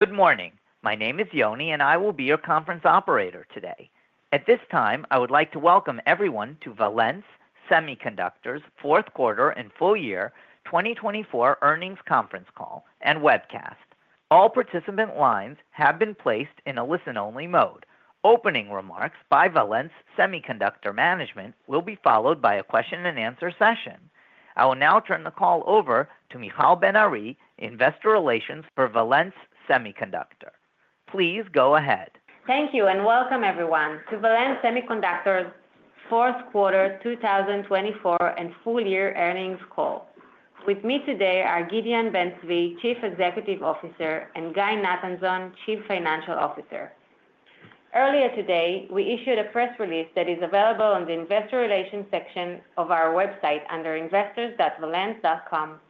Good morning. My name is Yoni, and I will be your conference operator today. At this time, I would like to welcome everyone to Valens Semiconductor's Fourth Quarter and Full Year 2024 Earnings Conference Call and Webcast. All participant lines have been placed in a listen-only mode. Opening remarks by Valens Semiconductor Management will be followed by a question-and-answer session. I will now turn the call over to Michal Ben Ari, Investor Relations for Valens Semiconductor. Please go ahead. Thank you and welcome, everyone, to Valens Semiconductor's Fourth Quarter 2024 and Full Year Earnings Call. With me today are Gideon Ben Zvi, Chief Executive Officer, and Guy Nathanzon, Chief Financial Officer. Earlier today, we issued a press release that is available on the Investor Relations section of our website under investors.valens.com.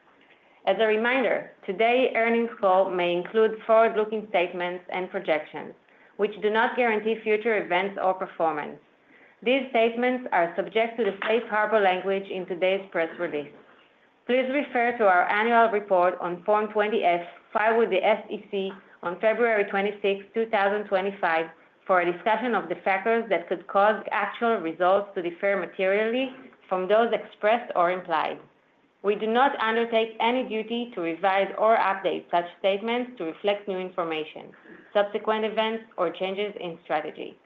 As a reminder, today's earnings call may include forward-looking statements and projections, which do not guarantee future events or performance. These statements are subject to the safe harbor language in today's press release. Please refer to our annual report on Form 20-F filed with the U.S. SEC on February 26, 2025, for a discussion of the factors that could cause actual results to differ materially from those expressed or implied. We do not undertake any duty to revise or update such statements to reflect new information, subsequent events, or changes in strategy.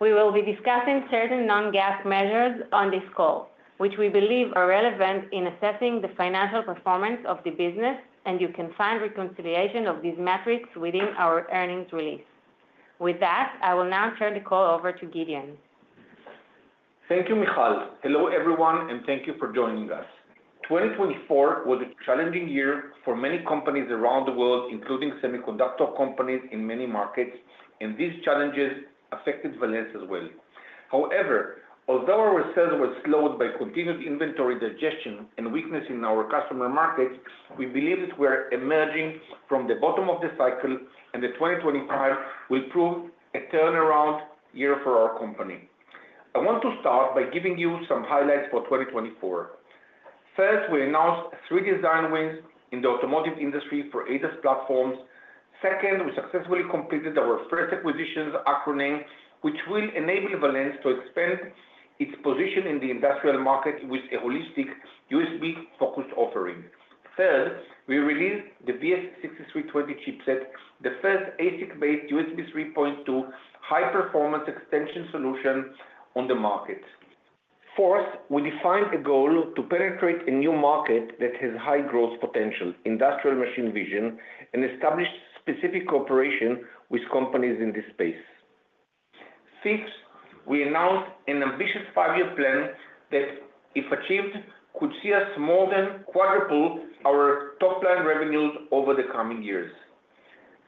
We will be discussing certain non-GAAP measures on this call, which we believe are relevant in assessing the financial performance of the business, and you can find reconciliation of these metrics within our earnings release. With that, I will now turn the call over to Gideon. Thank you, Michal. Hello, everyone, and thank you for joining us. 2024 was a challenging year for many companies around the world, including semiconductor companies in many markets, and these challenges affected Valens as well. However, although our sales were slowed by continued inventory digestion and weakness in our customer markets, we believe that we are emerging from the bottom of the cycle, and 2025 will prove a turnaround year for our company. I want to start by giving you some highlights for 2024. First, we announced three design wins in the automotive industry for ADAS platforms. Second, we successfully completed our first acquisition, Acroname, which will enable Valens to expand its position in the industrial market with a holistic USB-focused offering. Third, we released the VS6320 chipset, the first ASIC-based USB 3.2 high-performance extension solution on the market. Fourth, we defined a goal to penetrate a new market that has high growth potential, industrial machine vision, and establish specific cooperation with companies in this space. Fifth, we announced an ambitious five-year plan that, if achieved, could see us more than quadruple our top-line revenues over the coming years.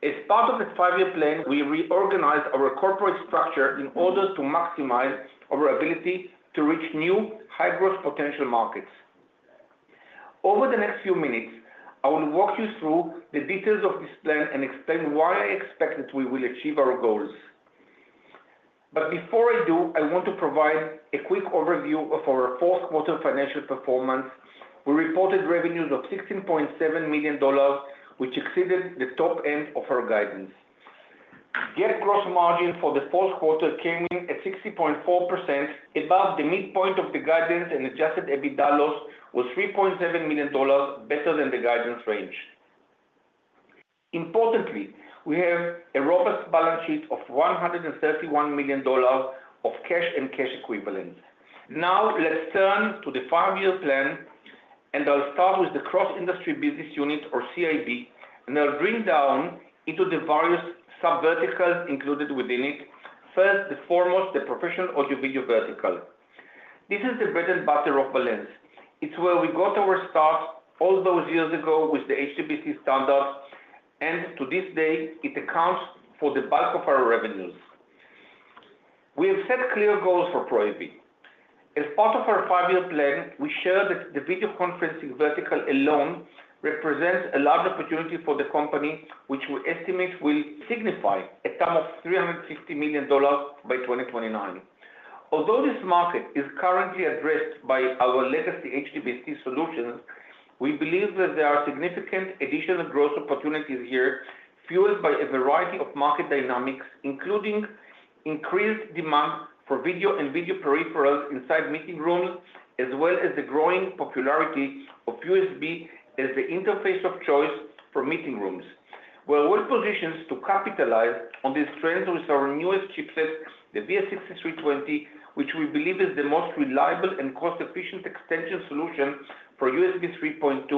As part of the five-year plan, we reorganized our corporate structure in order to maximize our ability to reach new high-growth potential markets. Over the next few minutes, I will walk you through the details of this plan and explain why I expect that we will achieve our goals. Before I do, I want to provide a quick overview of our fourth quarter financial performance. We reported revenues of $16.7 million, which exceeded the top end of our guidance. Net gross margin for the fourth quarter came in at 60.4%, above the midpoint of the guidance, and adjusted EBITDA loss was $3.7 million, better than the guidance range. Importantly, we have a robust balance sheet of $131 million of cash and cash equivalents. Now, let's turn to the five-year plan, and I'll start with the Cross-Industry Business Unit, or CIB, and I'll drill down into the various sub-verticals included within it. First and foremost, the professional audio-video vertical. This is the bread and butter of Valens. It's where we got our start all those years ago with the HDBaseT standards, and to this day, it accounts for the bulk of our revenues. We have set clear goals for Pro AV. As part of our five-year plan, we share that the video conferencing vertical alone represents a large opportunity for the company, which we estimate will signify a sum of $350 million by 2029. Although this market is currently addressed by our legacy HDBaseT solutions, we believe that there are significant additional growth opportunities here, fueled by a variety of market dynamics, including increased demand for video and video peripherals inside meeting rooms, as well as the growing popularity of USB as the interface of choice for meeting rooms. We are well-positioned to capitalize on these trends with our newest chipset, the VS6320, which we believe is the most reliable and cost-efficient extension solution for USB 3.2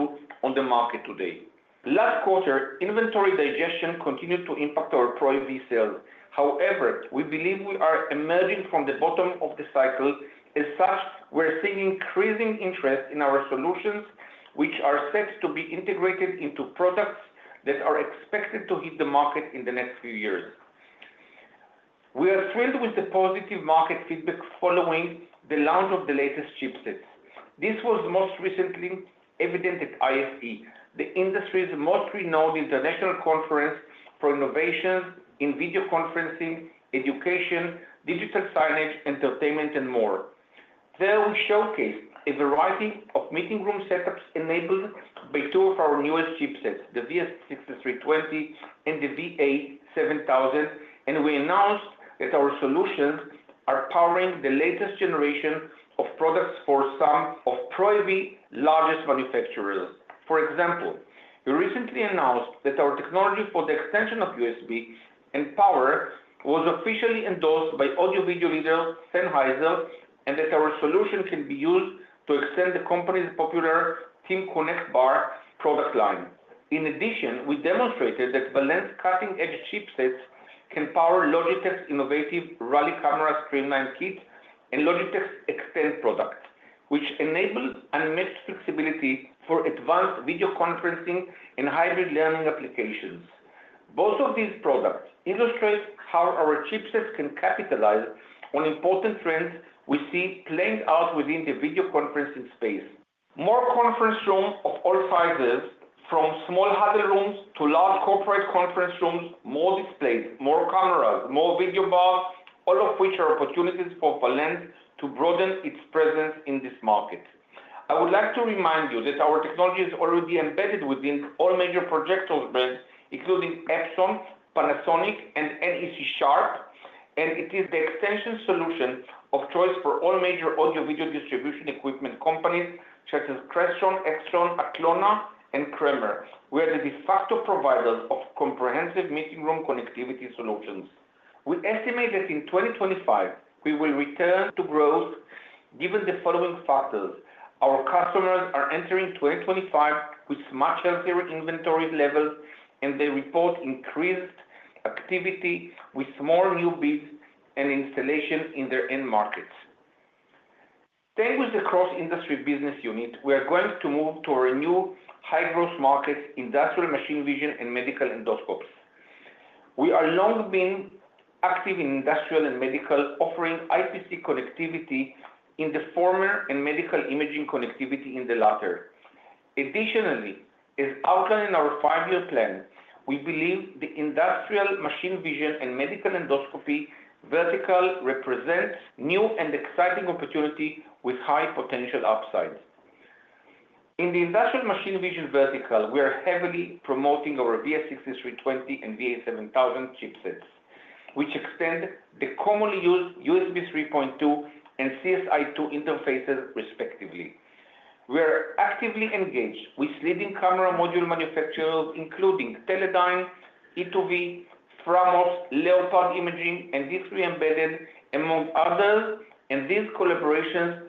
on the market today. Last quarter, inventory digestion continued to impact our Pro AV sales. However, we believe we are emerging from the bottom of the cycle. As such, we are seeing increasing interest in our solutions, which are set to be integrated into products that are expected to hit the market in the next few years. We are thrilled with the positive market feedback following the launch of the latest chipsets. This was most recently evident at ISE, the industry's most renowned international conference for innovations in video conferencing, education, digital signage, entertainment, and more. There, we showcased a variety of meeting room setups enabled by two of our newest chipsets, the VS6320 and the VA7000, and we announced that our solutions are powering the latest generation of products for some of the world's largest manufacturers. For example, we recently announced that our technology for the extension of USB and power was officially endorsed by audio-video leader Sennheiser and that our solution can be used to extend the company's popular TeamConnect Bar product line. In addition, we demonstrated that Valens' cutting-edge chipsets can power Logitech's innovative Rally Camera Streamline Kit and Logitech's Extend product, which enable unmatched flexibility for advanced video conferencing and hybrid learning applications. Both of these products illustrate how our chipsets can capitalize on important trends we see playing out within the video conferencing space. More conference rooms of all sizes, from small huddle rooms to large corporate conference rooms, more displays, more cameras, more video bars, all of which are opportunities for Valens to broaden its presence in this market. I would like to remind you that our technology is already embedded within all major projector brands, including Epson, Panasonic, NEC, and Sharp, and it is the extension solution of choice for all major audio-video distribution equipment companies such as Crestron, Extron, Atlona, and Kramer, who are the de facto providers of comprehensive meeting room connectivity solutions. We estimate that in 2025, we will return to growth given the following factors. Our customers are entering 2025 with much healthier inventory levels, and they report increased activity with more new bids and installation in their end markets. Staying with the Cross-Industry Business Unit, we are going to move to our new high-growth markets, industrial machine vision and medical endoscopes. We have long been active in industrial and medical, offering IPC connectivity in the former and medical imaging connectivity in the latter. Additionally, as outlined in our five-year plan, we believe the industrial machine vision and medical endoscopy vertical represents new and exciting opportunities with high potential upsides. In the industrial machine vision vertical, we are heavily promoting our VS6320 and VA7000 chipsets, which extend the commonly used USB 3.2 and CSI-2 interfaces, respectively. We are actively engaged with leading camera module manufacturers, including Teledyne, Teledyne e2v, Framos, Leopard Imaging, and D3 Engineering, among others, and these collaborations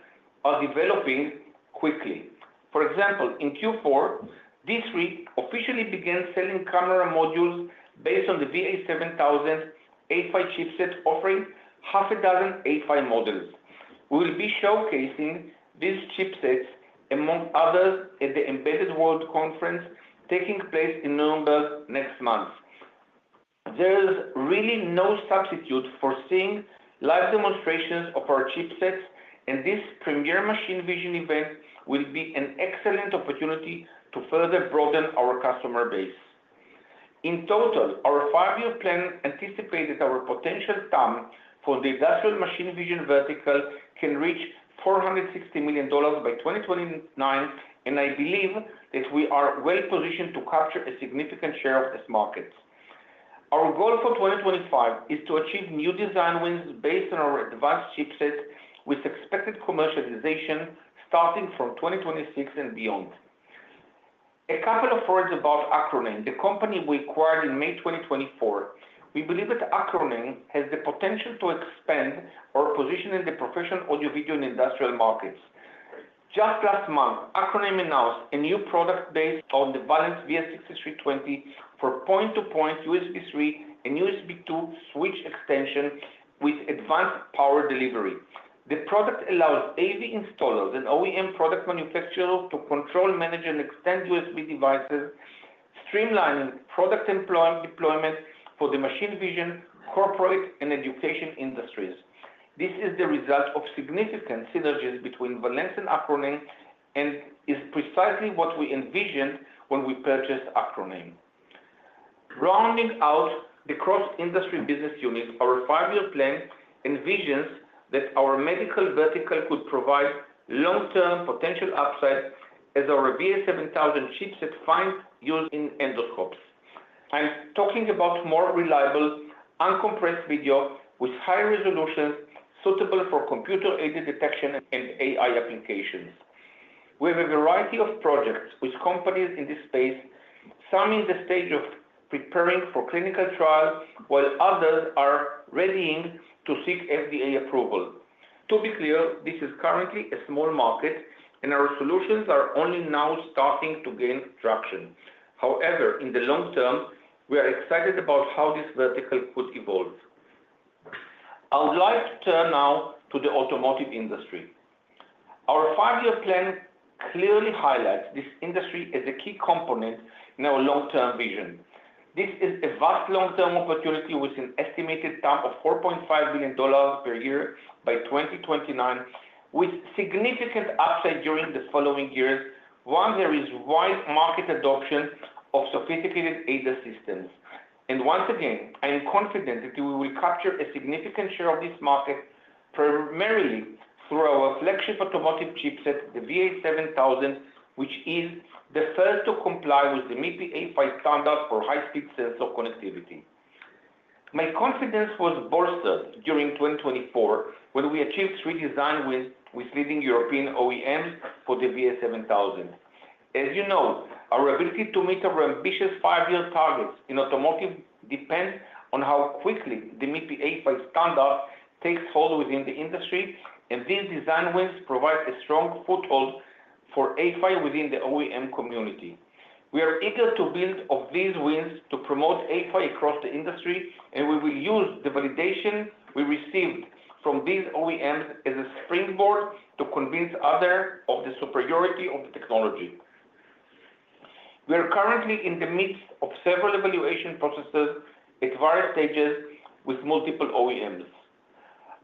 are developing quickly. For example, in Q4, D3 officially began selling camera modules based on the VA7000 A-PHY chipset, offering half a dozen A-PHY models. We will be showcasing these chipsets, among others, at the Embedded World Conference taking place in Nuremberg next month. There is really no substitute for seeing live demonstrations of our chipsets, and this premiere machine vision event will be an excellent opportunity to further broaden our customer base. In total, our five-year plan anticipates that our potential time for the industrial machine vision vertical can reach $460 million by 2029, and I believe that we are well-positioned to capture a significant share of these markets. Our goal for 2025 is to achieve new design wins based on our advanced chipsets, with expected commercialization starting from 2026 and beyond. A couple of words about Acroname, the company we acquired in May 2024. We believe that Acroname has the potential to expand our position in the professional audio-video and industrial markets. Just last month, Acroname announced a new product based on the Valens VS6320 for point-to-point USB 3 and USB 2 switch extension with advanced power delivery. The product allows AV installers and OEM product manufacturers to control, manage, and extend USB devices, streamlining product deployment for the machine vision, corporate, and education industries. This is the result of significant synergies between Valens and Acroname, and is precisely what we envisioned when we purchased Acroname. Rounding out the Cross-Industry Business Unit, our five-year plan envisions that our medical vertical could provide long-term potential upside as our VA7000 chipset finds use in endoscopes. I'm talking about more reliable, uncompressed video with high resolution suitable for computer-aided detection and AI applications. We have a variety of projects with companies in this space, some in the stage of preparing for clinical trials, while others are readying to seek FDA approval. To be clear, this is currently a small market, and our solutions are only now starting to gain traction. However, in the long term, we are excited about how this vertical could evolve. I would like to turn now to the automotive industry. Our five-year plan clearly highlights this industry as a key component in our long-term vision. This is a vast long-term opportunity with an estimated TAM of $4.5 million per year by 2029, with significant upside during the following years once there is wide market adoption of sophisticated ADAS systems. I am confident that we will capture a significant share of this market primarily through our flagship automotive chipset, the VA7000, which is the first to comply with the MIPI A-PHY standard for high-speed sensor connectivity. My confidence was bolstered during 2024 when we achieved three design wins with leading European OEMs for the VA7000. As you know, our ability to meet our ambitious five-year targets in automotive depends on how quickly the MIPI A-PHY standard takes hold within the industry, and these design wins provide a strong foothold for A-PHY within the OEM community. We are eager to build on these wins to promote A-PHY across the industry, and we will use the validation we received from these OEMs as a springboard to convince others of the superiority of the technology. We are currently in the midst of several evaluation processes at various stages with multiple OEMs.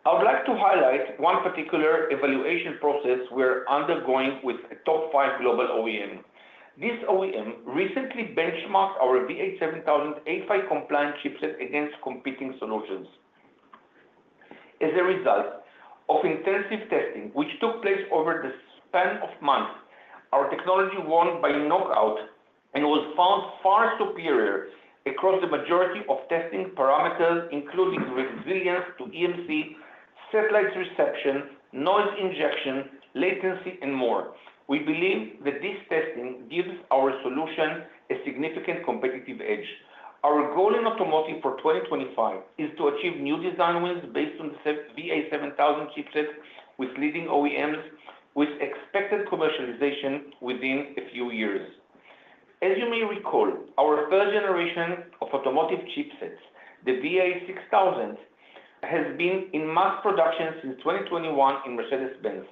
I would like to highlight one particular evaluation process we are undergoing with a top five global OEM. This OEM recently benchmarked our VA7000 A-PHY compliant chipset against competing solutions. As a result of intensive testing, which took place over the span of months, our technology won by knockout and was found far superior across the majority of testing parameters, including resilience to EMC, satellite reception, noise injection, latency, and more. We believe that this testing gives our solution a significant competitive edge. Our goal in automotive for 2025 is to achieve new design wins based on the VA7000 chipset with leading OEMs, with expected commercialization within a few years. As you may recall, our third generation of automotive chipsets, the VA6000, has been in mass production since 2021 in Mercedes-Benz.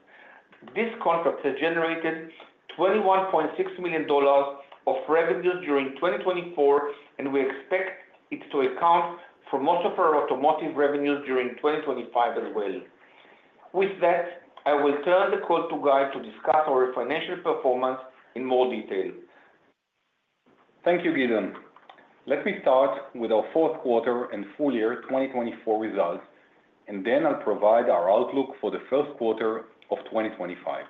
This contract has generated $21.6 million of revenue during 2024, and we expect it to account for most of our automotive revenues during 2025 as well. With that, I will turn the call to Guy to discuss our financial performance in more detail. Thank you, Gideon. Let me start with our fourth quarter and full year 2024 results, and then I'll provide our outlook for the first quarter of 2025.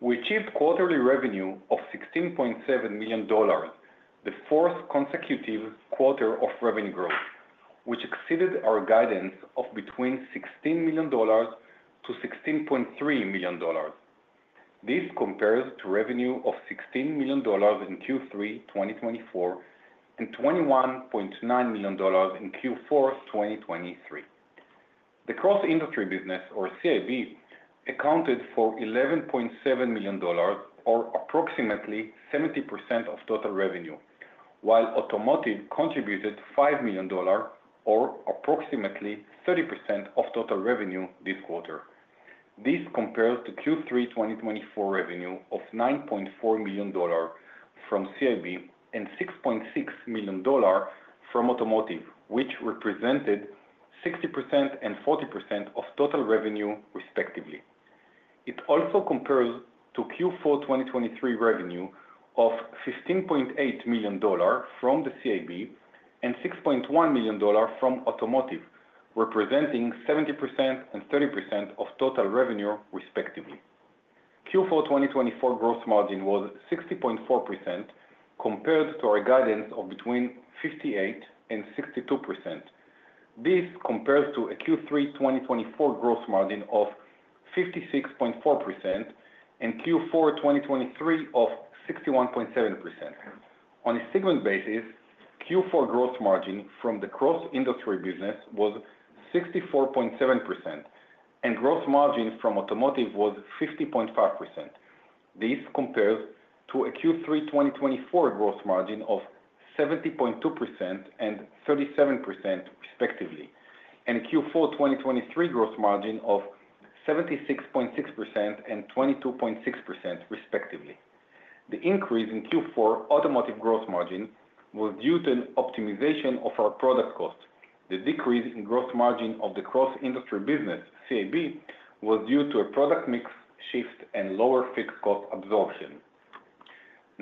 We achieved quarterly revenue of $16.7 million, the fourth consecutive quarter of revenue growth, which exceeded our guidance of between $16 million-$16.3 million. This compares to revenue of $16 million in Q3 2024 and $21.9 million in Q4 2023. The Cross-Industry Business, or CIB, accounted for $11.7 million, or approximately 70% of total revenue, while automotive contributed $5 million, or approximately 30% of total revenue this quarter. This compares to Q3 2024 revenue of $9.4 million from CIB and $6.6 million from automotive, which represented 60% and 40% of total revenue, respectively. It also compares to Q4 2023 revenue of $15.8 million from the CIB and $6.1 million from automotive, representing 70% and 30% of total revenue, respectively. Q4 2024 gross margin was 60.4%, compared to our guidance of between 58% and 62%. This compares to a Q3 2024 gross margin of 56.4% and Q4 2023 of 61.7%. On a segment basis, Q4 gross margin from the Cross-Industry Business was 64.7%, and gross margin from automotive was 50.5%. This compares to a Q3 2024 gross margin of 70.2% and 37%, respectively, and Q4 2023 gross margin of 76.6% and 22.6%, respectively. The increase in Q4 automotive gross margin was due to an optimization of our product cost. The decrease in gross margin of the Cross-Industry Business, CIB, was due to a product mix shift and lower fixed cost absorption.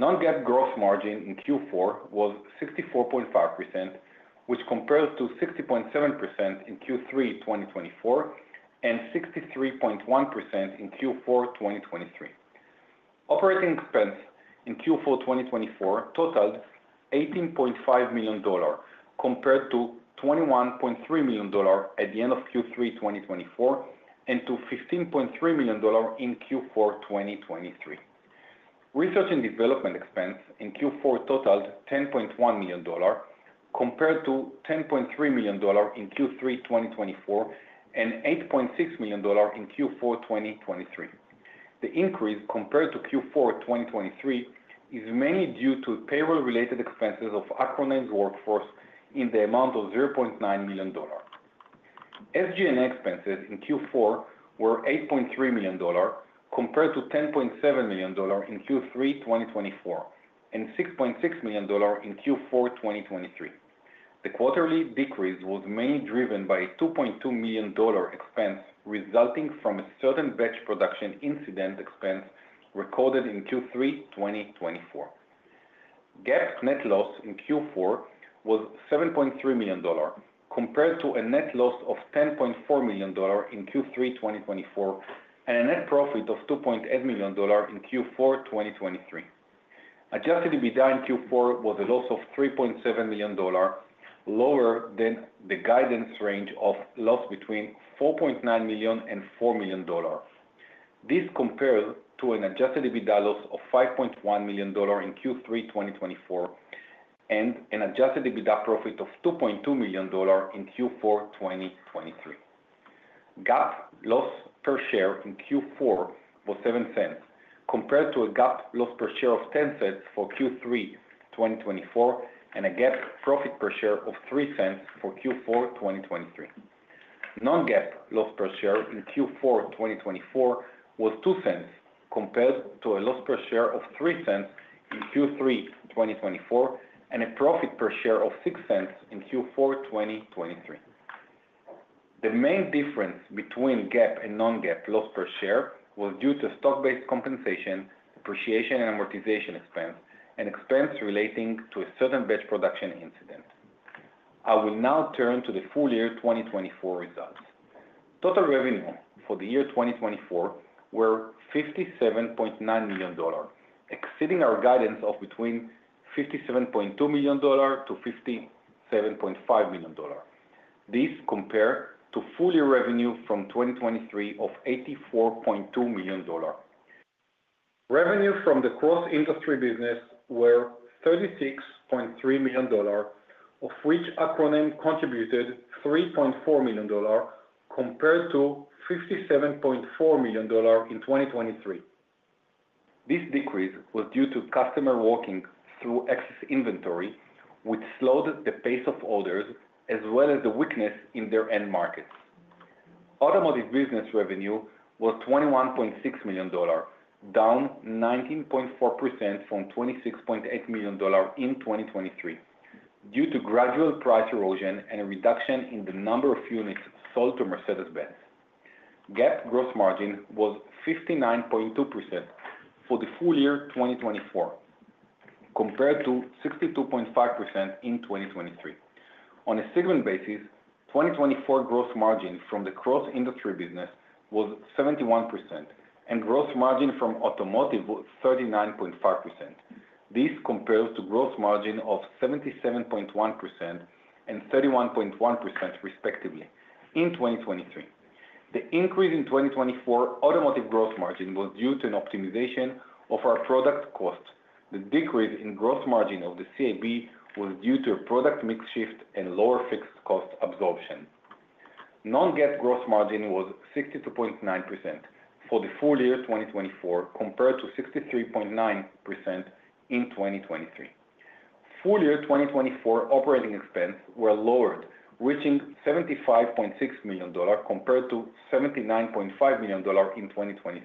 Non-GAAP gross margin in Q4 was 64.5%, which compares to 60.7% in Q3 2024 and 63.1% in Q4 2023. Operating expense in Q4 2024 totaled $18.5 million, compared to $21.3 million at the end of Q3 2024 and to $15.3 million in Q4 2023. Research and development expense in Q4 totaled $10.1 million, compared to $10.3 million in Q3 2024 and $8.6 million in Q4 2023. The increase compared to Q4 2023 is mainly due to payroll-related expenses of Acroname's workforce in the amount of $0.9 million. SG&A expenses in Q4 were $8.3 million, compared to $10.7 million in Q3 2024 and $6.6 million in Q4 2023. The quarterly decrease was mainly driven by a $2.2 million expense resulting from a certain batch production incident expense recorded in Q3 2024. GAAP net loss in Q4 was $7.3 million, compared to a net loss of $10.4 million in Q3 2024 and a net profit of $2.8 million in Q4 2023. Adjusted EBITDA in Q4 was a loss of $3.7 million, lower than the guidance range of loss between $4.9 million and $4 million. This compares to an adjusted EBITDA loss of $5.1 million in Q3 2024 and an adjusted EBITDA profit of $2.2 million in Q4 2023. GAAP loss per share in Q4 was $0.07, compared to a GAAP loss per share of $0.10 for Q3 2024 and a GAAP profit per share of $0.03 for Q4 2023. Non-GAAP loss per share in Q4 2024 was $0.02, compared to a loss per share of $0.03 in Q3 2024 and a profit per share of $0.06 in Q4 2023. The main difference between GAAP and non-GAAP loss per share was due to stock-based compensation, depreciation and amortization expense, and expense relating to a certain batch production incident. I will now turn to the full year 2024 results. Total revenue for the year 2024 was $57.9 million, exceeding our guidance of between $57.2 million and $57.5 million. This compares to full year revenue from 2023 of $84.2 million. Revenue from the Cross-Industry Business was $36.3 million, of which Acroname contributed $3.4 million, compared to $57.4 million in 2023. This decrease was due to customers working through excess inventory, which slowed the pace of orders, as well as the weakness in their end markets. Automotive business revenue was $21.6 million, down 19.4% from $26.8 million in 2023, due to gradual price erosion and a reduction in the number of units sold to Mercedes-Benz. GAAP gross margin was 59.2% for the full year 2024, compared to 62.5% in 2023. On a segment basis, 2024 gross margin from the Cross-Industry Business was 71%, and gross margin from automotive was 39.5%. This compares to gross margin of 77.1% and 31.1%, respectively, in 2023. The increase in 2024 automotive gross margin was due to an optimization of our product cost. The decrease in gross margin of the CIB was due to a product mix shift and lower fixed cost absorption. Non-GAAP gross margin was 62.9% for the full year 2024, compared to 63.9% in 2023. Full year 2024 operating expenses were lowered, reaching $75.6 million, compared to $79.5 million in 2023.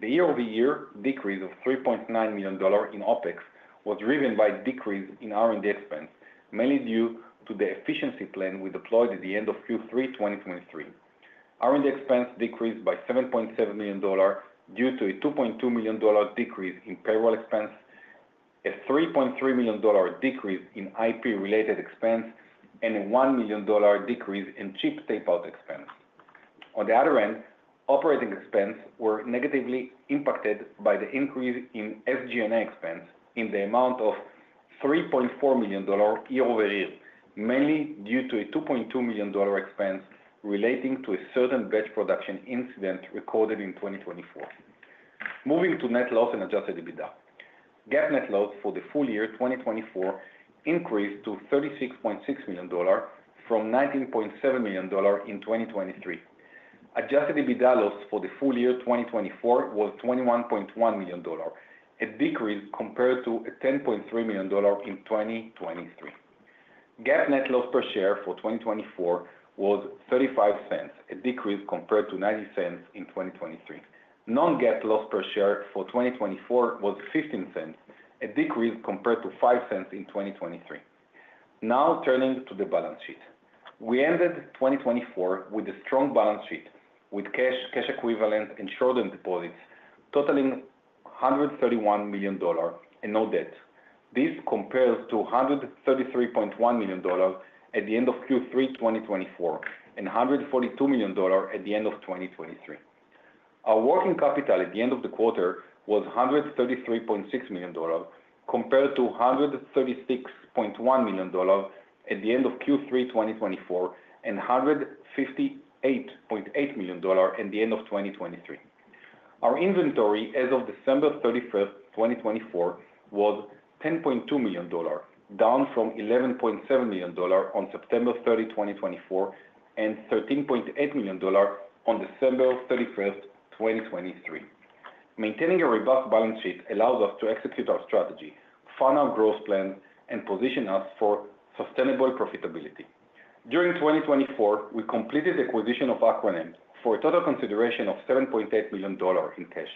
The year-over-year decrease of $3.9 million in OpEx was driven by a decrease in R&D expense, mainly due to the efficiency plan we deployed at the end of Q3 2023. R&D expenses decreased by $7.7 million due to a $2.2 million decrease in payroll expense, a $3.3 million decrease in IP-related expense, and a $1 million decrease in chip tape-out expense. On the other end, operating expenses were negatively impacted by the increase in SG&A expenses in the amount of $3.4 million year-over-year, mainly due to a $2.2 million expense relating to a certain batch production incident recorded in 2024. Moving to net loss and adjusted EBITDA. GAAP net loss for the full year 2024 increased to $36.6 million from $19.7 million in 2023. Adjusted EBITDA loss for the full year 2024 was $21.1 million, a decrease compared to $10.3 million in 2023. GAAP net loss per share for 2024 was $0.35, a decrease compared to $0.90 in 2023. Non-GAAP loss per share for 2024 was $0.15, a decrease compared to $0.05 in 2023. Now turning to the balance sheet. We ended 2024 with a strong balance sheet, with cash equivalent and short-term deposits totaling $131 million and no debt. This compares to $133.1 million at the end of Q3 2024 and $142 million at the end of 2023. Our working capital at the end of the quarter was $133.6 million, compared to $136.1 million at the end of Q3 2024 and $158.8 million at the end of 2023. Our inventory as of December 31st, 2024, was $10.2 million, down from $11.7 million on September 30, 2024, and $13.8 million on December 31st, 2023. Maintaining a robust balance sheet allowed us to execute our strategy, fund our growth plan, and position us for sustainable profitability. During 2024, we completed the acquisition of Acroname for a total consideration of $7.8 million in cash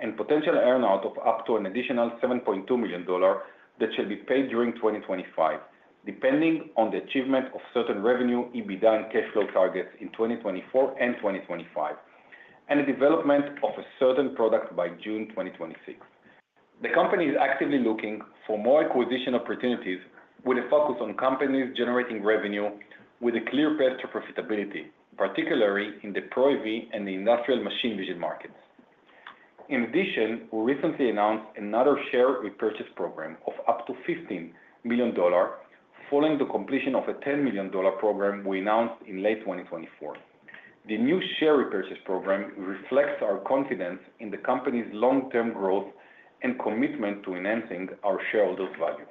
and potential earnout of up to an additional $7.2 million that shall be paid during 2025, depending on the achievement of certain revenue, EBITDA, and cash flow targets in 2024 and 2025, and the development of a certain product by June 2026. The company is actively looking for more acquisition opportunities, with a focus on companies generating revenue with a clear path to profitability, particularly in the Pro AV and the industrial machine vision markets. In addition, we recently announced another share repurchase program of up to $15 million, following the completion of a $10 million program we announced in late 2024. The new share repurchase program reflects our confidence in the company's long-term growth and commitment to enhancing our shareholders' value.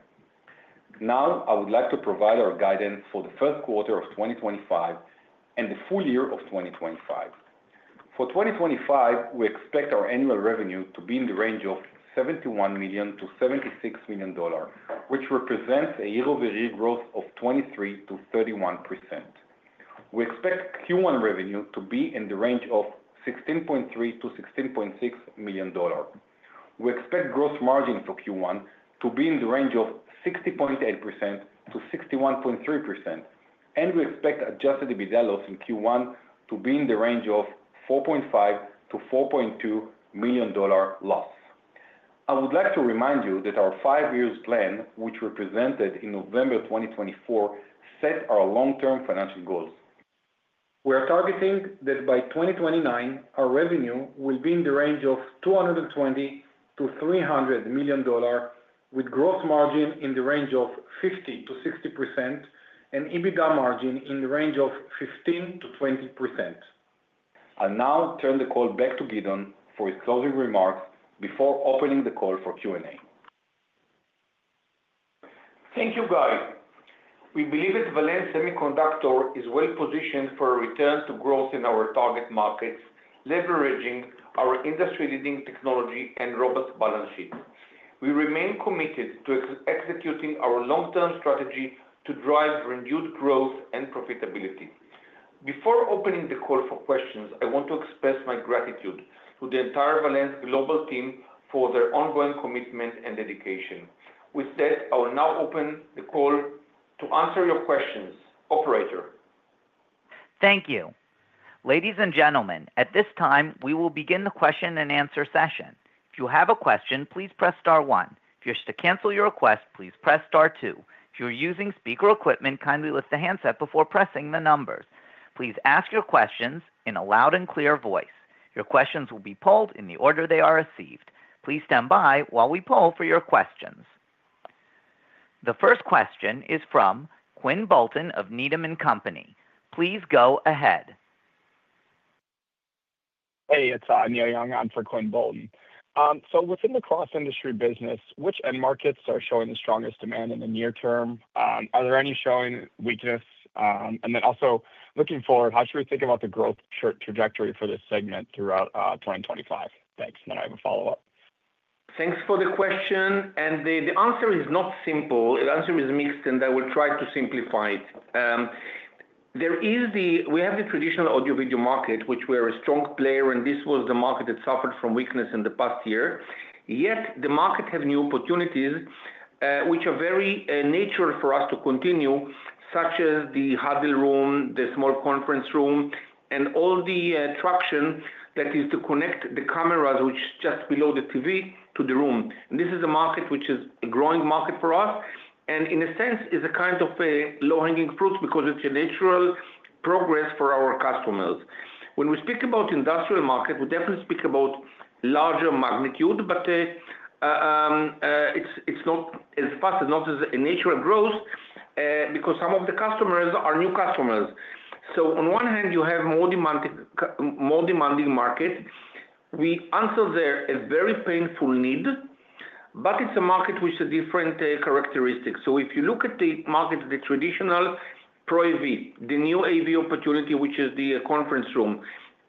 Now, I would like to provide our guidance for the first quarter of 2025 and the full year of 2025. For 2025, we expect our annual revenue to be in the range of $71 million-$76 million, which represents a year-over-year growth of 23%-31%. We expect Q1 revenue to be in the range of $16.3 million-$16.6 million. We expect gross margin for Q1 to be in the range of 60.8%-61.3%, and we expect adjusted EBITDA loss in Q1 to be in the range of $4.5 million-$4.2 million loss. I would like to remind you that our five-year plan, which we presented in November 2024, sets our long-term financial goals. We are targeting that by 2029, our revenue will be in the range of $220 million-$300 million, with gross margin in the range of 50%-60% and EBITDA margin in the range of 15%-20%. I'll now turn the call back to Gideon for his closing remarks before opening the call for Q&A. Thank you, Guy. We believe that Valens Semiconductor is well-positioned for a return to growth in our target markets, leveraging our industry-leading technology and robust balance sheet. We remain committed to executing our long-term strategy to drive renewed growth and profitability. Before opening the call for questions, I want to express my gratitude to the entire Valens Global team for their ongoing commitment and dedication. With that, I will now open the call to answer your questions, Operator. Thank you. Ladies and gentlemen, at this time, we will begin the question-and-answer session. If you have a question, please press star one. If you wish to cancel your request, please press star two. If you're using speaker equipment, kindly lift the handset before pressing the numbers. Please ask your questions in a loud and clear voice. Your questions will be polled in the order they are received. Please stand by while we poll for your questions. The first question is from Quinn Bolton of Needham & Company. Please go ahead. Hey, it's Neil Young. I'm for Quinn Bolton. Within the Cross-Industry Business, which end markets are showing the strongest demand in the near term? Are there any showing weakness? Looking forward, how should we think about the growth trajectory for this segment throughout 2025? Thanks. I have a follow-up. Thanks for the question. The answer is not simple. The answer is mixed, and I will try to simplify it. We have the traditional audio-video market, which we are a strong player, and this was the market that suffered from weakness in the past year. Yet the market has new opportunities, which are very natural for us to continue, such as the huddle room, the small conference room, and all the attraction that is to connect the cameras, which is just below the TV, to the room. This is a market which is a growing market for us, and in a sense, it's a kind of a low-hanging fruit because it's a natural progress for our customers. When we speak about the industrial market, we definitely speak about larger magnitude, but it's not as fast, not as natural growth, because some of the customers are new customers. On one hand, you have a more demanding market. We answer there a very painful need, but it's a market which has different characteristics. If you look at the market, the traditional Pro AV, the new AV opportunity, which is the conference room,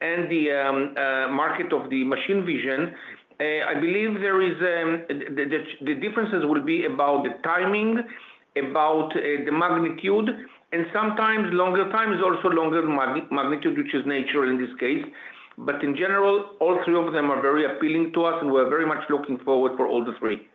and the market of the machine vision, I believe the differences will be about the timing, about the magnitude, and sometimes longer time is also longer magnitude, which is natural in this case. In general, all three of them are very appealing to us, and we're very much looking forward for all the three.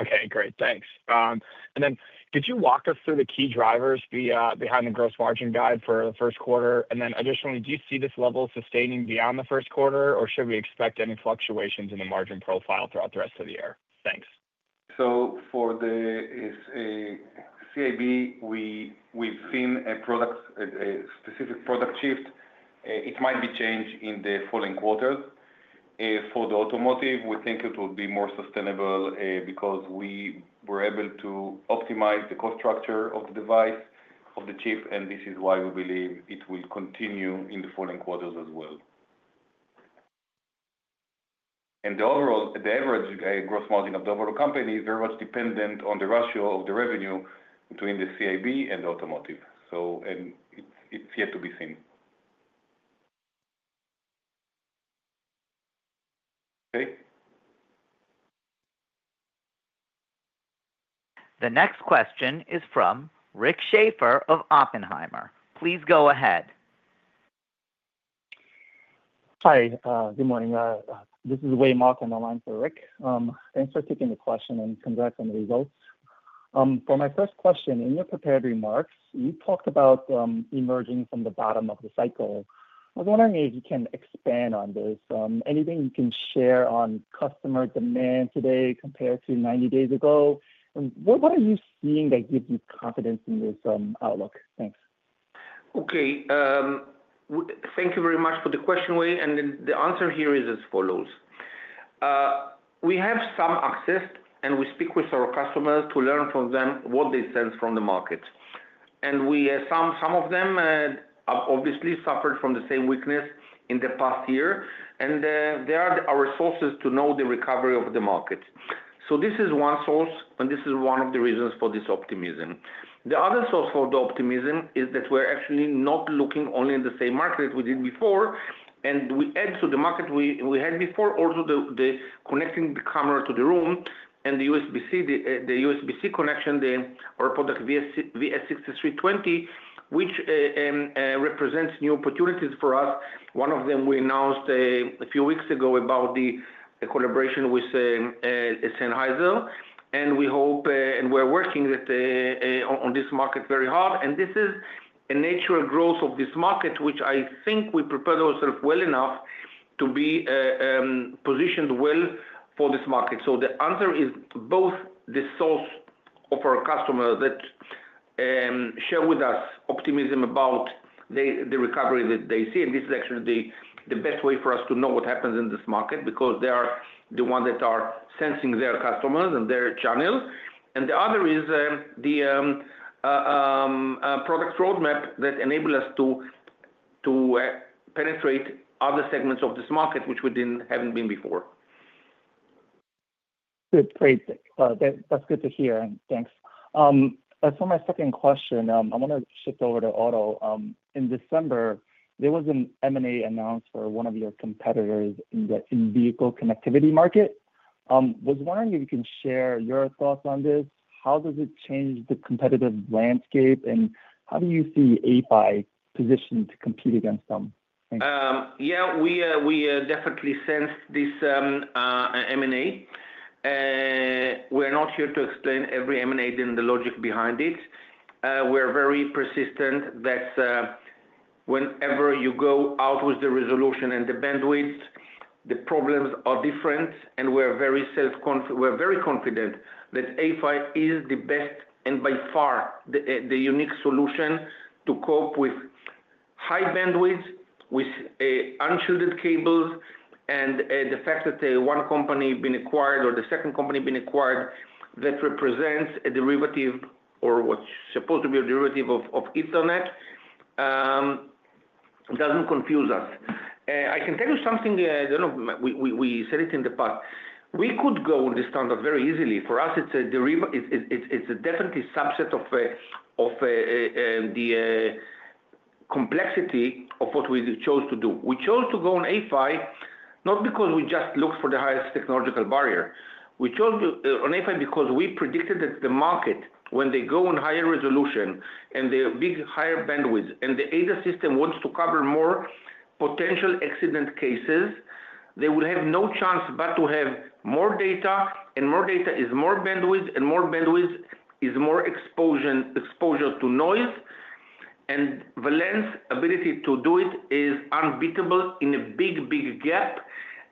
Okay, great. Thanks. Could you walk us through the key drivers behind the gross margin guide for the first quarter? Additionally, do you see this level sustaining beyond the first quarter, or should we expect any fluctuations in the margin profile throughout the rest of the year? Thanks. For the CIB, we've seen a specific product shift. It might be changed in the following quarters. For the automotive, we think it will be more sustainable because we were able to optimize the cost structure of the device, of the chip, and this is why we believe it will continue in the following quarters as well. The overall, the average gross margin of the automotive company is very much dependent on the ratio of the revenue between the CIB and the automotive. It is yet to be seen. The next question is from Rick Schaefer of Oppenheimer. Please go ahead. Hi, good morning. This is Wei Mok, and I'm on for Rick. Thanks for taking the question and congrats on the results. For my first question, in your prepared remarks, you talked about emerging from the bottom of the cycle. I was wondering if you can expand on this. Anything you can share on customer demand today compared to 90 days ago? What are you seeing that gives you confidence in this outlook? Thanks. Okay. Thank you very much for the question, Wayne. The answer here is as follows. We have some access, and we speak with our customers to learn from them what they sense from the market. Some of them have obviously suffered from the same weakness in the past year, and they are our sources to know the recovery of the market. This is one source, and this is one of the reasons for this optimism. The other source for the optimism is that we're actually not looking only in the same market as we did before, and we add to the market we had before, also the connecting the camera to the room and the USB-C connection, the VS6320, which represents new opportunities for us. One of them we announced a few weeks ago about the collaboration with Sennheiser, and we hope and we're working on this market very hard. This is a natural growth of this market, which I think we prepared ourselves well enough to be positioned well for this market. The answer is both the source of our customers that share with us optimism about the recovery that they see, and this is actually the best way for us to know what happens in this market because they are the ones that are sensing their customers and their channels. The other is the product roadmap that enables us to penetrate other segments of this market, which we haven't been before. That's great. That's good to hear, and thanks. For my second question, I want to shift over to Auto. In December, there was an M&A announced for one of your competitors in the vehicle connectivity market. I was wondering if you can share your thoughts on this. How does it change the competitive landscape, and how do you see A-PHY positioned to compete against them? Yeah, we definitely sensed this M&A. We're not here to explain every M&A and the logic behind it. We're very persistent that whenever you go out with the resolution and the bandwidth, the problems are different, and we're very confident that A-PHY is the best and by far the unique solution to cope with high bandwidth, with unshielded cables, and the fact that one company being acquired or the second company being acquired that represents a derivative or what's supposed to be a derivative of Ethernet doesn't confuse us. I can tell you something. I don't know if we said it in the past. We could go with the standard very easily. For us, it's definitely a subset of the complexity of what we chose to do. We chose to go on A-PHY not because we just looked for the highest technological barrier. We chose on A-PHY because we predicted that the market, when they go on higher resolution and the big higher bandwidth and the ADAS system wants to cover more potential accident cases, they will have no chance but to have more data, and more data is more bandwidth, and more bandwidth is more exposure to noise. Valens' ability to do it is unbeatable in a big, big gap.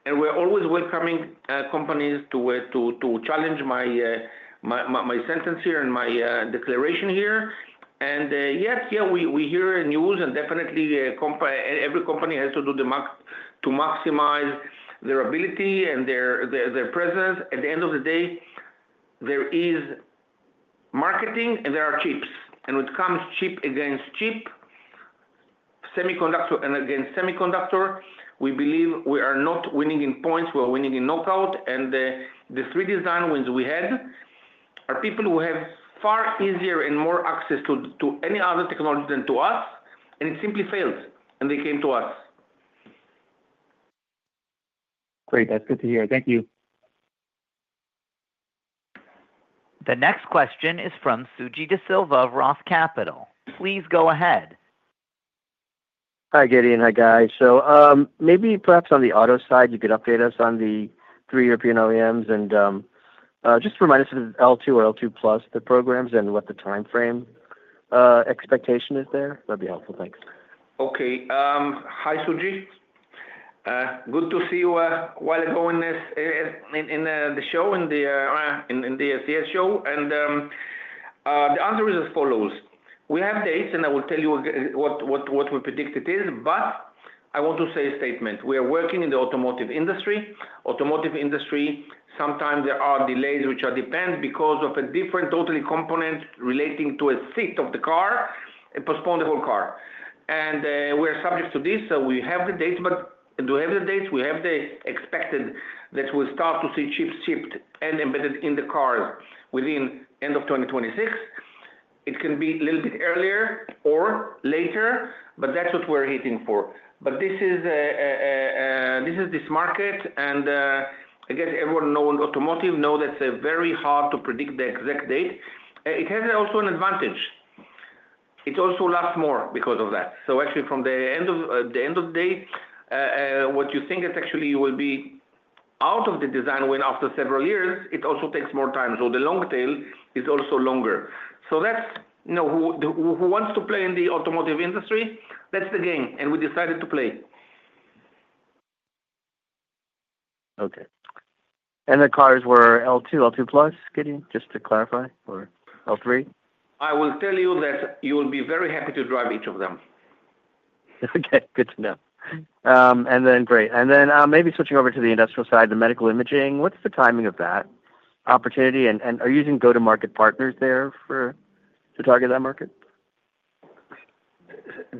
We are always welcoming companies to challenge my sentence here and my declaration here. Yeah, we hear news, and definitely every company has to do the max to maximize their ability and their presence. At the end of the day, there is marketing, and there are chips. When it comes chip against chip, semiconductor against semiconductor, we believe we are not winning in points. We are winning in knockout. The three design wins we had are people who have far easier and more access to any other technology than to us, and it simply failed, and they came to us. Great. That's good to hear. Thank you. The next question is from Suji Desilva of Roth Capital. Please go ahead. Hi, Gideon. Hi, guys. Maybe perhaps on the auto side, you could update us on the three European OEMs and just remind us of the L2 or L2 Plus, the programs and what the timeframe expectation is there. That'd be helpful. Thanks. Okay. Hi, Suji. Good to see you. While going in the show, in the CES show, and the answer is as follows. We have dates, and I will tell you what we predict it is, but I want to say a statement. We are working in the automotive industry. Automotive industry, sometimes there are delays which are dependent because of a different totally component relating to a seat of the car and postpone the whole car. We are subject to this. We have the dates, but do we have the dates? We have the expected that we'll start to see chips shipped and embedded in the cars within the end of 2026. It can be a little bit earlier or later, but that's what we're hitting for. This is this market, and I guess everyone knowing automotive knows that it's very hard to predict the exact date. It has also an advantage. It also lasts more because of that. Actually, from the end of the day, what you think that actually will be out of the design win after several years, it also takes more time. The long tail is also longer. Who wants to play in the automotive industry? That's the game, and we decided to play. Okay. The cars were L2, L2 Plus, Gideon, just to clarify, or L3? I will tell you that you will be very happy to drive each of them. Okay. Good to know. Great. Maybe switching over to the industrial side, the medical imaging. What's the timing of that opportunity? Are you using go-to-market partners there to target that market? I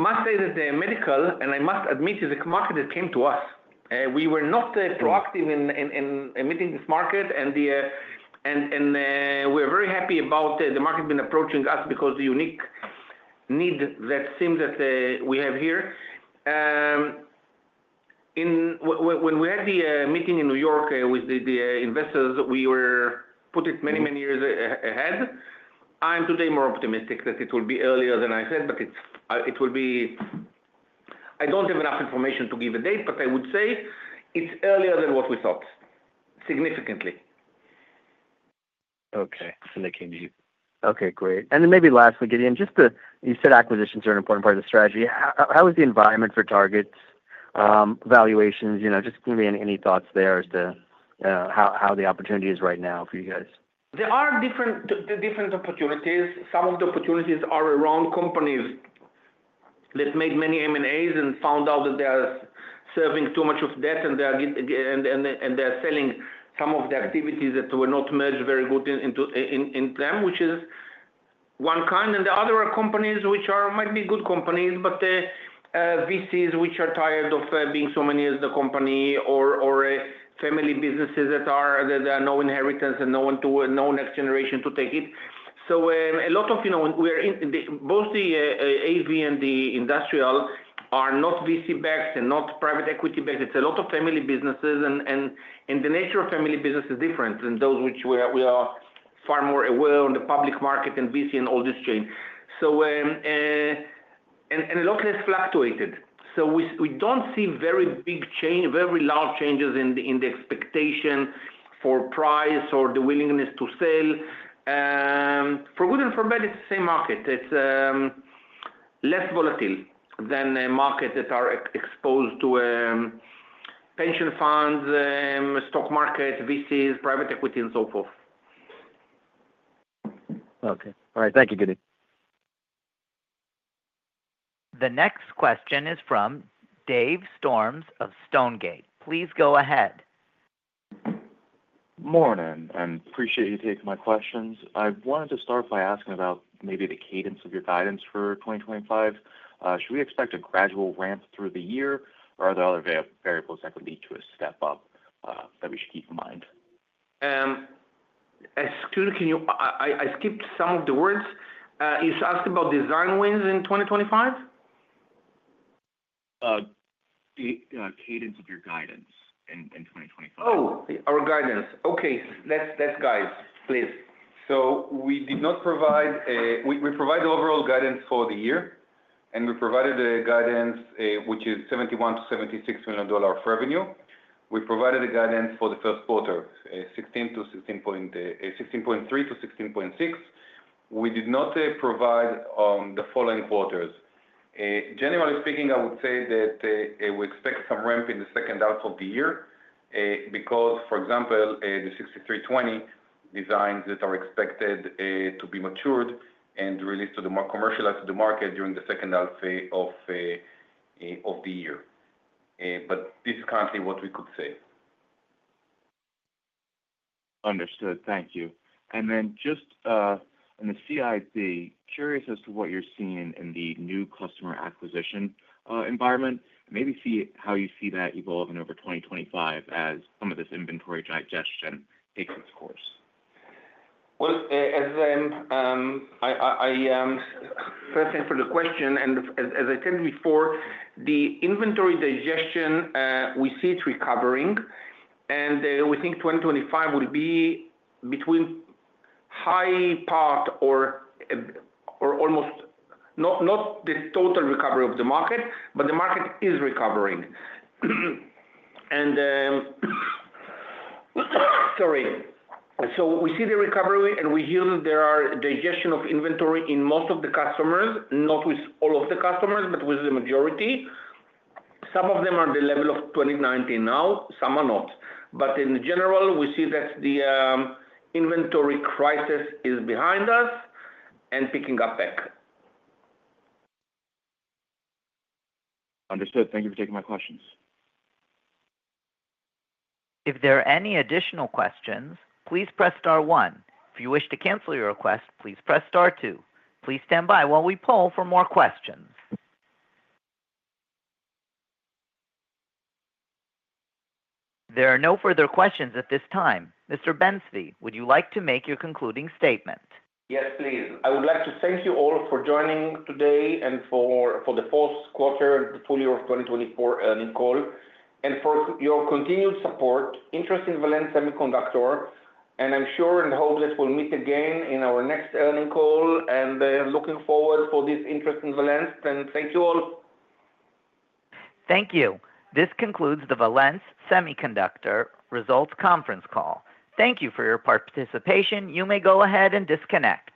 must say that the medical, and I must admit, is a market that came to us. We were not proactive in meeting this market, and we're very happy about the market being approaching us because of the unique need that seems that we have here. When we had the meeting in New York with the investors, we were put it many, many years ahead. I'm today more optimistic that it will be earlier than I said, but it will be I don't have enough information to give a date, but I would say it's earlier than what we thought, significantly. Okay. Okay. Great. And then maybe lastly, Gideon, just you said acquisitions are an important part of the strategy. How is the environment for targets, valuations? Just maybe any thoughts there as to how the opportunity is right now for you guys? There are different opportunities. Some of the opportunities are around companies that made many M&As and found out that they are serving too much of debt, and they are selling some of the activities that were not merged very good into them, which is one kind. The other are companies which might be good companies, but VCs which are tired of being so many years the company or family businesses that have no inheritance and no next generation to take it. A lot of what we are in both the AV and the industrial are not VC-backed and not private equity-backed. It is a lot of family businesses, and the nature of family business is different than those which we are far more aware on the public market and VC and all this chain. It is a lot less fluctuated. We do not see very big change, very large changes in the expectation for price or the willingness to sell. For good and for bad, it is the same market. It is less volatile than markets that are exposed to pension funds, stock market, VCs, private equity, and so forth. Okay. All right. Thank you, Gideon. The next question is from Dave Storms of Stonegate. Please go ahead. Morning, and appreciate you taking my questions. I wanted to start by asking about maybe the cadence of your guidance for 2025. Should we expect a gradual ramp through the year, or are there other variables that could lead to a step up that we should keep in mind? Excuse me, can you I skipped some of the words. You asked about design wins in 2025? The cadence of your guidance in 2025. Oh, our guidance. Okay. That's Guy's, please. We did not provide, we provide overall guidance for the year, and we provided a guidance which is $71 million-$76 million revenue. We provided a guidance for the first quarter, $16 million-$16.3 million to $16.6 million. We did not provide the following quarters. Generally speaking, I would say that we expect some ramp in the second half of the year because, for example, the 6320 designs that are expected to be matured and released to the commercialized to the market during the second half of the year. This is currently what we could say. Understood. Thank you. In the CIB, curious as to what you're seeing in the new customer acquisition environment, maybe see how you see that evolving over 2025 as some of this inventory digestion takes its course. As I first answered the question, and as I told you before, the inventory digestion, we see it recovering, and we think 2025 would be between high part or almost not the total recovery of the market, but the market is recovering. Sorry. We see the recovery, and we hear that there are digestion of inventory in most of the customers, not with all of the customers, but with the majority. Some of them are at the level of 2019 now, some are not. In general, we see that the inventory crisis is behind us and picking up back. Understood. Thank you for taking my questions. If there are any additional questions, please press star one. If you wish to cancel your request, please press star two. Please stand by while we poll for more questions. There are no further questions at this time. Mr. Ben Zvi, would you like to make your concluding statement? Yes, please. I would like to thank you all for joining today and for the fourth quarter and the full year of 2024 earning call and for your continued support, interest in Valens Semiconductor. I am sure and hope that we'll meet again in our next earning call, and looking forward for this interest in Valens. Thank you all. Thank you. This concludes the Valens Semiconductor Results Conference Call. Thank you for your participation. You may go ahead and disconnect.